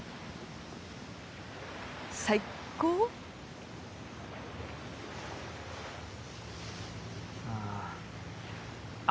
最高ああ